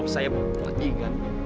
saya punya liburan